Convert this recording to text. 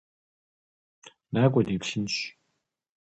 НакӀуэ, дыплъэнщ.